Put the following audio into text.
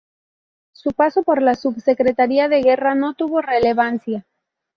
Su paso por la Subsecretaría de Guerra no tuvo relevancia.